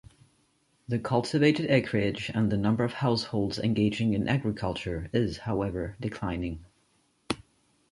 The cultivated acreage and the number of households engaging in agriculture is however declining.